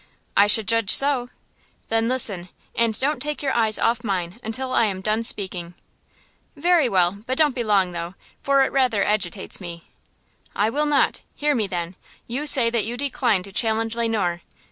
"I should judge so." "Then listen, and don't take your eyes off mine until I am done speaking!" "Very well, but don't be long, though, for it rather agitates me." "I will not! Hear me, then! You say that you decline to challenge Le Noir.